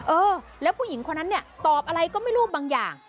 เออแล้วผู้หญิงคนนั้นเนี่ยตอบอะไรก็ไม่รู้บางอย่าง